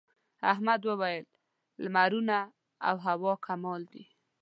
احمد وويل: لمرونه او هوا کمال دي.